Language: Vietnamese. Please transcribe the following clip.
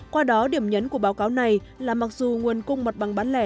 qua đó điểm nhấn của báo cáo này là mặc dù nguồn cung mặt bằng bán lẻ